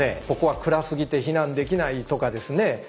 ここは暗すぎて避難できないとかですね